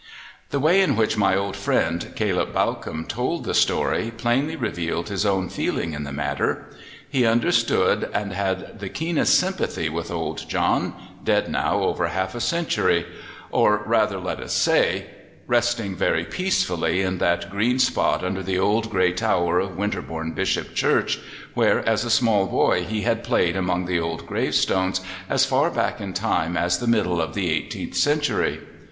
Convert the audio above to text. The way in which my old friend, Caleb Bawcombe, told the story plainly revealed his own feeling in the matter. He understood and had the keenest sympathy with old John, dead now over half a century; or rather, let us say, resting very peacefully in that green spot under the old grey tower of Winterbourne Bishop church where as a small boy he had played among the old gravestones as far back in time as the middle of the eighteenth century.